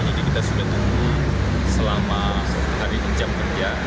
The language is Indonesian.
jadi kita sudah tunggu selama hari jam kerja